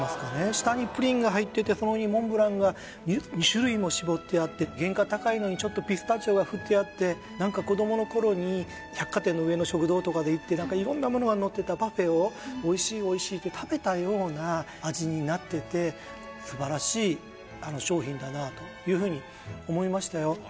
下にプリンが入っててその上にモンブランが２種類も絞ってあって原価高いのにちょっとピスタチオが振ってあって何か子どもの頃に百貨店の上の食堂とかで行って色んなものがのってたパフェをおいしいおいしいって食べたような味になっててだなというふうに思いましたよ